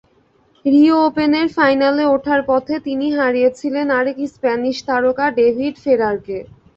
Rio ওপেনের ফাইনালে ওঠার পথে তিনি হারিয়েছিলেন আরেক স্প্যানিশ তারকা ডেভিড ফেরারকে।